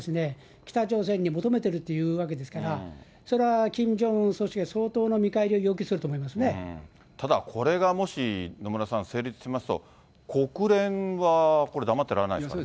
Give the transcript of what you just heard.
なぜかっていえば、それはキム・ジョンウン総書記は相当の見返りを要求すると思いまただ、これがもし、野村さん、成立しますと、国連はこれ、黙ってられないですね。